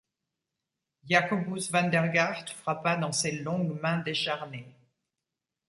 Jacobus Vandergaart frappa dans ses longues mains décharnées.